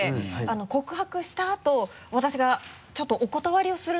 告白したあと私がちょっとお断りをするので。